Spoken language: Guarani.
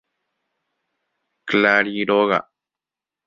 Clari róga.